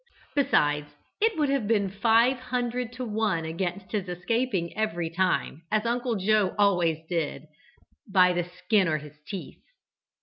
Besides, it would have been five hundred to one against his escaping every time, as Uncle Joe always did, "by the skin o' his teeth."